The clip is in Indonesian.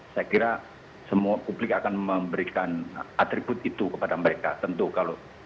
saya kira semua publik akan memberikan atribut itu kepada mereka tentu kalau